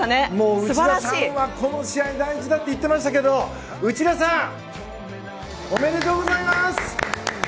内田さんはこの試合が大事だと言ってましたけどおめでとうございます！